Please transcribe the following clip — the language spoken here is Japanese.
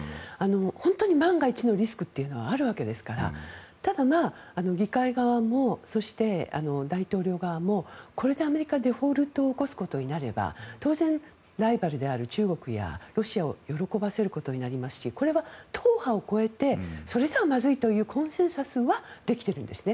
本当に万が一のリスクはあるわけですからただ、議会側もそして、大統領側もこれでアメリカがデフォルトを起こすことになれば当然、ライバルである中国やロシアを喜ばせることになりますしこれは党派を超えてそれじゃまずいというコンセンサスはできているんですね。